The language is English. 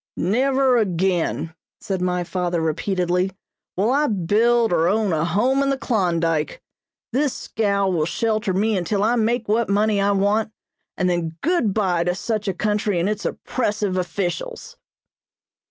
"Never again," said my father repeatedly, "will I build or own a home in the Klondyke. This scow will shelter me until I make what money I want, and then good bye to such a country and its oppressive officials."